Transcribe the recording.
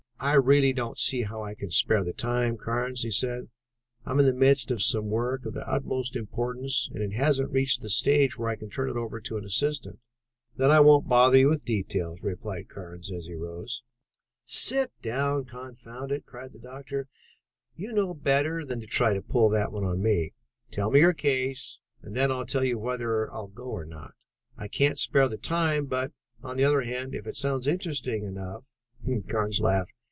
"I really don't see how I can spare the time, Carnes," he said. "I am in the midst of some work of the utmost importance and it hasn't reached the stage where I can turn it over to an assistant." "Then I won't bother you with the details," replied Carnes as he rose. "Sit down, confound you!" cried the doctor. "You know better than to try to pull that on me. Tell me your case, and then I'll tell you whether I'll go or not. I can't spare the time, but, on the other hand, if it sounds interesting enough...." Carnes laughed.